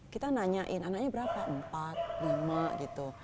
kita nanyain anaknya berapa empat lima gitu